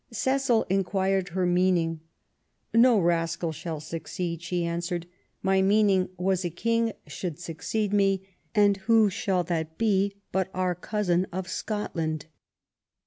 " Cecil inquired her meaning no rascal shall suc ceed ". She answered :" My meaning was a King should succeed me; and who should that be but our cousin of Scotland